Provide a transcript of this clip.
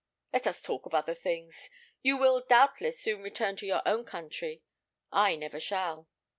Let us talk of other things. You will, doubtless, soon return to your own country. I never shall."